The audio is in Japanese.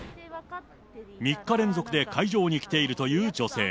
３日連続で会場に来ているという女性。